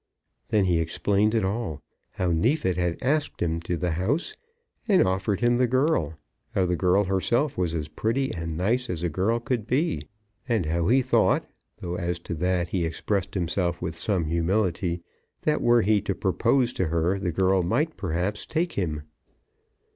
Then he explained it all; how Neefit had asked him to the house, and offered him the girl; how the girl herself was as pretty and nice as a girl could be; and how he thought, though as to that he expressed himself with some humility, that, were he to propose to her, the girl might perhaps take him.